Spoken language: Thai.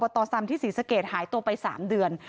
พ่อออ้อยอซที่ศรีสเกตหายตัวไปสามเดือน